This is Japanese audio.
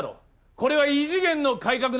これは異次元の改革なんだ。